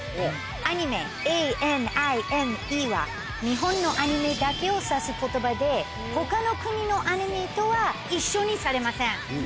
アニメ、ＡＮＩＭＥは、日本のアニメだけをさすことばで、ほかの国のアニメとは一緒にされません。